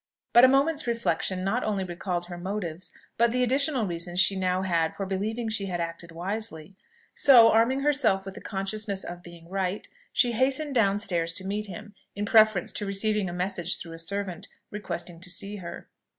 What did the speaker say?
But a moment's reflection not only recalled her motives, but the additional reasons she now had for believing she had acted wisely; so, arming herself with the consciousness of being right, she hastened down stairs to meet him, in preference to receiving a message through a servant, requesting to see her.